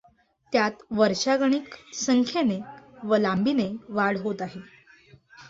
त्यात वर्षागणिक संख्येने व लांबीने वाढ होत आहे.